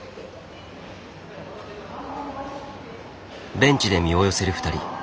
ベンチで身を寄せる２人。